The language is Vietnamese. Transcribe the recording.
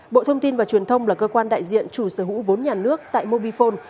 bộ thông tin và truyền thông là cơ quan đại diện chủ sở hữu vốn nhà nước tại mobifone